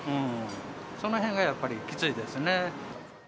そのへんがやっぱりきついですね。